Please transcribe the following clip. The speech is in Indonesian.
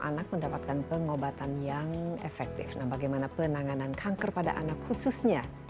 anak mendapatkan pengobatan yang efektif nah bagaimana penanganan kanker pada anak khususnya